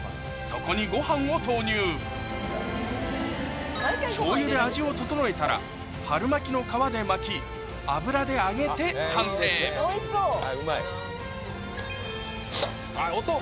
そこにご飯を投入しょうゆで味を調えたら春巻きの皮で巻き油で揚げて完成あっ音！